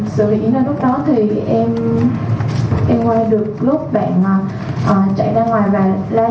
sự việc diễn ra lúc đó thì em quay được lúc bạn chạy ra ngoài và lai hét thật lớn